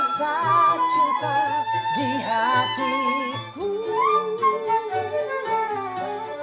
rasa cinta di hatiku